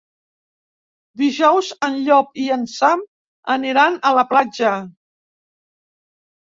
Dijous en Llop i en Sam aniran a la platja.